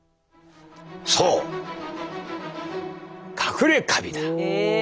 そうかくれカビだ！